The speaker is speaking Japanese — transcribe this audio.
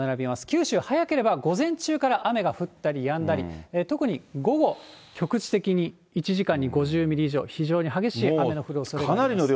九州、早ければ、午前中から雨が降ったりやんだり、特に午後、局地的に１時間に５０ミリ以上、非常に激しい雨の降るおそれがあります。